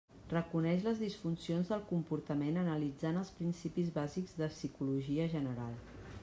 Reconeix les disfuncions del comportament analitzant els principis bàsics de psicologia general.